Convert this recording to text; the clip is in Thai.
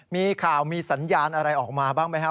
มีข่าวมีสัญญาณอะไรออกมาบ้างไหมครับ